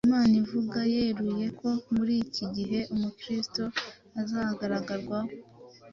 Imana ivuga yeruye ko muri iki gihe Umukristo azagaragarwaho